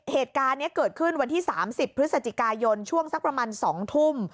เหตุการณ์นี้เกิดขึ้นวันที่๓๐พฤศจิกายนช่วงสักประมาณ๒ทุ่ม